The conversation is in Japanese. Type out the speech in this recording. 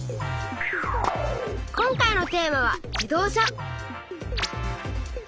今回のテーマは「自動車」。